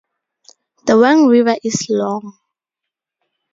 The Wang River is long.